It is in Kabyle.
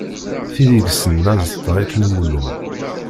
Tid i yessnen azeṭṭa akken iwulem.